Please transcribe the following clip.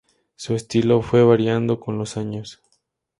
Su estilo fue variando con los años.